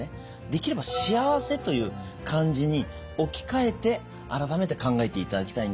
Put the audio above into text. できれば幸せという漢字に置き換えて改めて考えていただきたいんですよね。